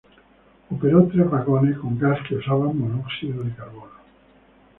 Operó tres vagones con gas que usaban monóxido de carbono.